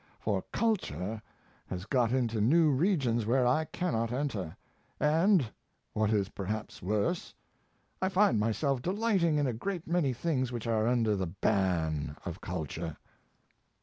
For culture has got into new regions where I cannot enter, and, what is perhaps worse, I find myself delighting in a great many things which are under the ban of culture.